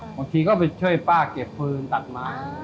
บางทีก็ไปช่วยป้าเก็บฟืนตัดไม้